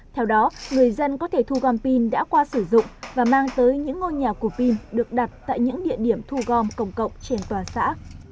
theo đó người dân có thể thu gom pin đã qua sử dụng và mang tới những ngôi nhà của pin được đặt tại những địa điểm thu gom công cộng trên toàn xã